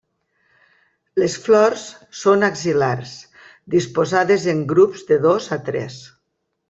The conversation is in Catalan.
Les flors són axil·lars, disposades en grups de dos a tres.